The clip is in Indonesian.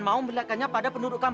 kiunnya pokoknya secretary k lam